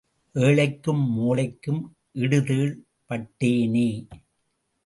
ஏழைக்கும் மோழைக்கும் இடுதேள் பட்டேனே.